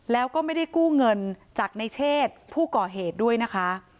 แล้วก็ไม่ได้กู้เงินจากในเชศผู้ก่อเหตุด้วยนะคะ